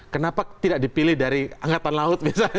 kenapa tidak dipilih dari angkatan laut misalnya